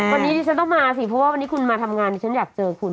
วันนี้ดิฉันต้องมาสิเพราะว่าวันนี้คุณมาทำงานดิฉันอยากเจอคุณ